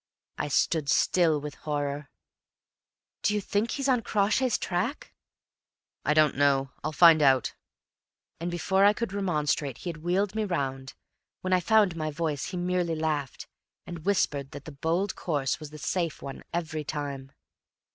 I stood still with horror. "Do you think he's on Crawshay's track?" "I don't know. I'll find out." And before I could remonstrate he had wheeled me round; when I found my voice he merely laughed, and whispered that the bold course was the safe one every time.